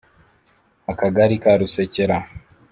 akagari ka Rusekera